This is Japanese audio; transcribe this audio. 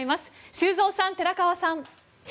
修造さん、寺川さん。